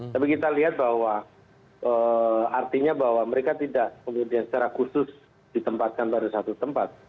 tapi kita lihat bahwa artinya bahwa mereka tidak kemudian secara khusus ditempatkan pada satu tempat